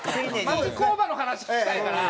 町工場の話聞きたいから。